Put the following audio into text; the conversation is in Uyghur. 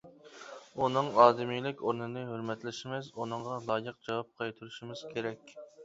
ئۇنىڭ ئادىمىيلىك ئورنىنى ھۆرمەتلىشىمىز، ئۇنىڭغا لايىق جاۋاب قايتۇرۇشىمىز كېرەك.